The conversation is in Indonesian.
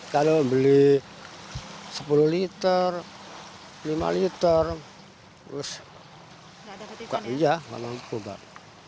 kalau beli sepuluh liter lima liter terus gak ada obat